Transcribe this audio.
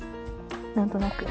何となく。